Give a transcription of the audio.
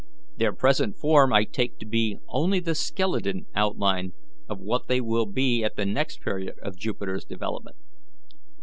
Their present form I take to be only the skeleton outline of what they will be at the next period of Jupiter's development.